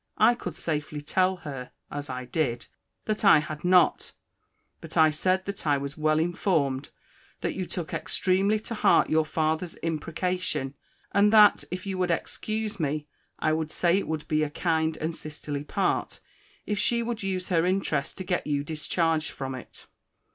I could safely tell her, (as I did,) that I had not: but I said, that I was well informed, that you took extremely to heart your father's imprecation; and that, if she would excuse me, I would say it would be a kind and sisterly part, if she would use her interest to get you discharged from it.